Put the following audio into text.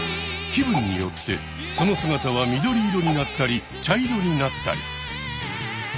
気分によってその姿は緑色になったり茶色になったり。